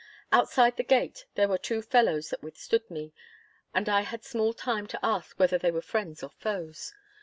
Outside the gate there were two fellows that withstood me, and I had small time to ask whether they were friends or foes.